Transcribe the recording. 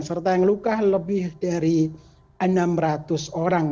serta yang luka lebih dari enam ratus orang